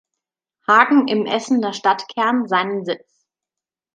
Hagen im Essener Stadtkern seinen Sitz.